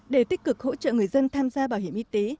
để tích cực hỗ trợ người dân tham gia bảo hiểm y tế